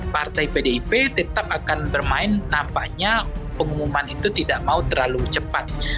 partai pdip tetap akan bermain nampaknya pengumuman itu tidak mau terlalu cepat